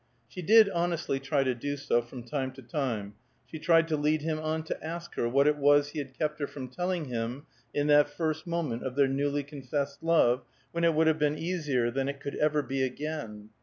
She did honestly try to do so, from time to time; she tried to lead him on to ask her what it was he had kept her from telling him in that first moment of their newly confessed love, when it would have been easier than it could ever be again.